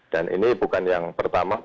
dan ini bukan yang pertama